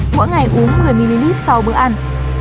mỗi ngày uống một mươi ml sau bữa ăn